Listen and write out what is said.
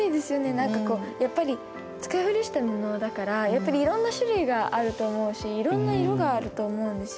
何かこうやっぱり使い古した布だからやっぱりいろんな種類があると思うしいろんな色があると思うんですよ。